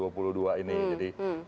jadi kita masih menunggu